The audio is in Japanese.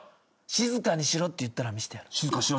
静かにしろって言ったら見せてくれるのかよ？